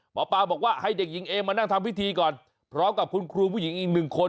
หมอปลาบอกว่าให้เด็กหญิงเอมานั่งทำพิธีก่อนพร้อมกับคุณครูผู้หญิงอีกหนึ่งคน